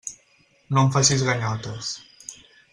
No em facis ganyotes.